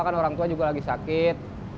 kan orang tua juga lagi sakit